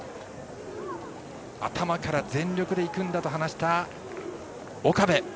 頭から全力でいくんだと話した岡部。